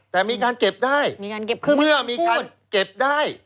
แต่มีการเก็บได้เมื่อมีการเก็บได้